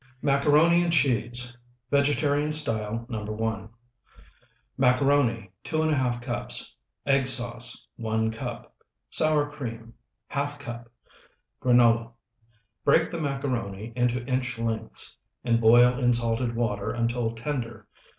MACARONI AND CHEESE (VEGETARIAN STYLE NO. 1) Macaroni, 2½ cups. Egg sauce, 1 cup. Sour cream, ½ cup. Granola. Break the macaroni into inch lengths and boil in salted water until tender.